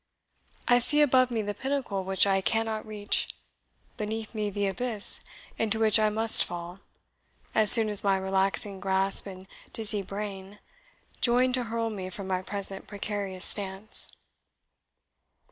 I see above me the pinnacle which I cannot reach beneath me the abyss into which I must fall, as soon as my relaxing grasp and dizzy brain join to hurl me from my present precarious stance."